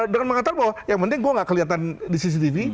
dengan mengatakan bahwa yang penting gue gak kelihatan di cctv